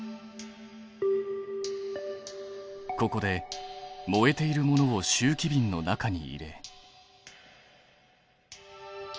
ここで燃えているものを集気びんの中に入れ。